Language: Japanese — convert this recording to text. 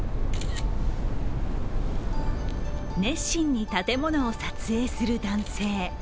熱心に建物を撮影する男性。